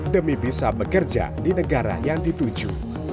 demi bisa bekerja di negara yang dituju